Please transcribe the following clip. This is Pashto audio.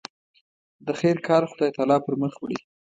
د خیر کار خدای تعالی پر مخ وړي.